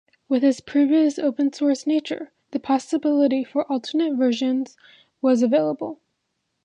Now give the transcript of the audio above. With its previous open-source nature, the possibility for alternate versions was available.